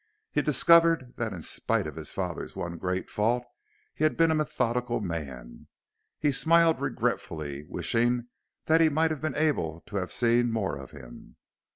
He discovered that in spite of his father's one great fault he had been a methodical man. He smiled regretfully, wishing that he might have been able to have seen more of him.